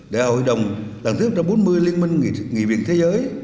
để hội đồng làng thứ một trăm bốn mươi liên minh nghị viện thế giới